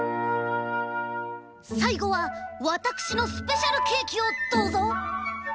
さいごはわたくしのスペシャルケーキをどうぞ。